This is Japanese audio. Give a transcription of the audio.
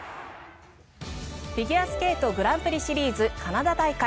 フィギュアスケートグランプリシリーズカナダ大会。